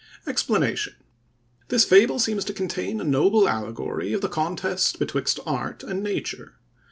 EXPLANATION.—This fable seems to contain a noble allegory of the contest betwixt art and nature.